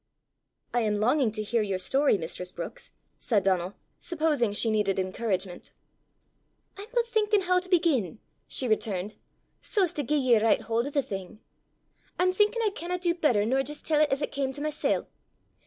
"I am longing to hear your story, mistress Brookes," said Donal, supposing she needed encouragement. "I'm but thinkin' hoo to begin," she returned, "sae as to gie ye a richt haud o' the thing. I'm thinkin' I canna do better nor jist tell 't as it cam to mysel'!